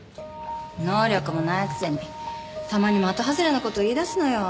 能力もないくせにたまに的外れな事言いだすのよ。